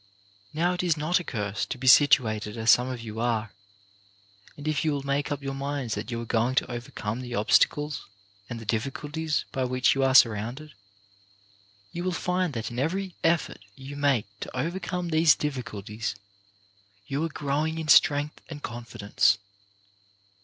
Now it is not a curse to be situated as some of you are, and if you will make up your minds that you are going to overcome the obstacles and the difficulties by which you are surrounded, you will find that in every effort you make to overcome these difficulties you are growing in strength and confidence.